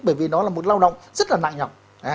bởi vì nó là một lao động rất là nặng nhọc